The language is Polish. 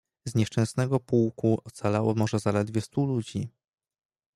"Z nieszczęsnego pułku ocalało może zaledwie stu ludzi."